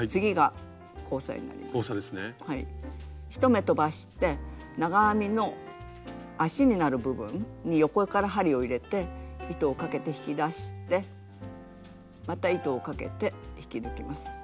１目とばして長編みの足になる部分に横から針を入れて糸をかけて引き出してまた糸をかけて引き抜きます。